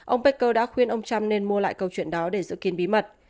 ông becker đã khuyên ông trump nên mua lại câu chuyện đó để giữ kiên bí mật